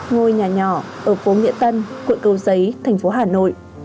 ngôi nhà nhỏ ở phố nghĩa tân quận cầu giấy thành phố hà nội